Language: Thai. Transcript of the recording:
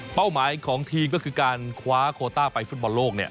หมายของทีมก็คือการคว้าโคต้าไปฟุตบอลโลกเนี่ย